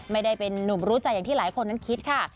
ไม่ได้เป็นนุ่มรู้ใจอย่างที่หลายคนนั้นคิดค่ะ